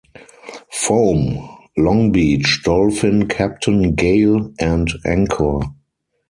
'Foam', 'Longbeach', 'Dolphin', 'Captain', 'Gale' and 'Anchor'.